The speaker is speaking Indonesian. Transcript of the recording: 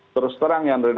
terus terang ya